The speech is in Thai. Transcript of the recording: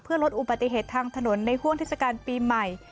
ลดอุบัติเหตุทางถนนในห่วงเทศกาลปีใหม่